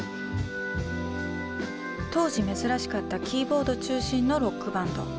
当時珍しかったキーボード中心のロックバンド。